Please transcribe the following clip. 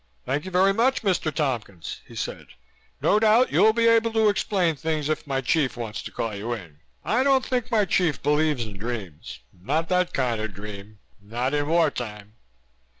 "Thank you very much, Mr. Tompkins," he said. "No doubt you'll be able to explain things if my chief wants to call you in. I don't think my chief believes in dreams. Not that kind of dream. Not in war time."